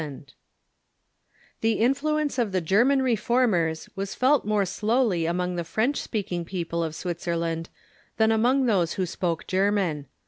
] The influence of the German Reformers was felt more slowly among the French speaking people of Switzerland than among those who spoke German.